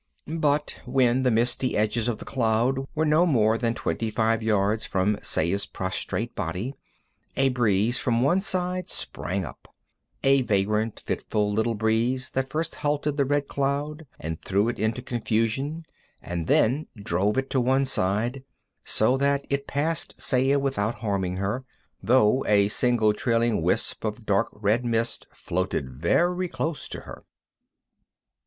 But when the misty edges of the cloud were no more than twenty five yards from Saya's prostrate body a breeze from one side sprang up a vagrant, fitful little breeze, that first halted the red cloud and threw it into confusion and then drove it to one side, so that it passed Saya without harming her, though a single trailing wisp of dark red mist floated very close to her.